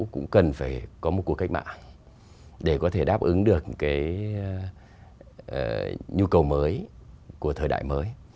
cũng cần phải có một cuộc cách mạng để có thể đáp ứng được cái nhu cầu mới của thời đại mới